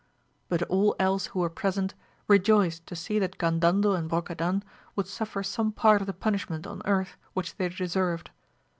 But all else who were present rejoiced to see that Grandandel and Brocadan would suffer some part of the punishment on earth which they deserved.